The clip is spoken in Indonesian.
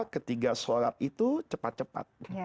cepatfold itu sekatnya